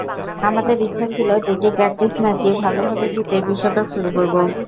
আমাদের ইচ্ছা ছিল দুটি প্র্যাকটিস ম্যাচই ভালোভাবে জিতে বিশ্বকাপ শুরু করব।